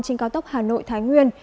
trên cao tốc hà nội thái nguyên